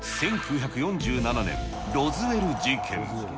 １９４７年ロズウェル事件。